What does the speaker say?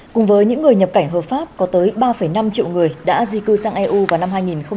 cùng với những người nhập cảnh hợp pháp có tới ba năm triệu người đã di cư sang eu vào năm hai nghìn một mươi tám